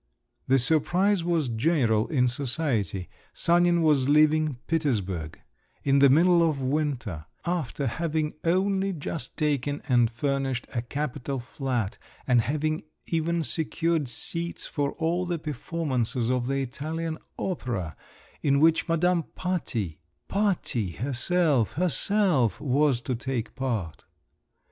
The surprise was general in society. Sanin was leaving Petersburg, in the middle of the winter, after having only just taken and furnished a capital flat, and having even secured seats for all the performances of the Italian Opera, in which Madame Patti … Patti, herself, herself, was to take part!